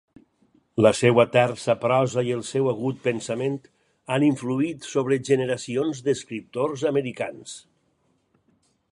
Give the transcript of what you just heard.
La seva tersa prosa i el seu agut pensament han influït sobre generacions d'escriptors americans.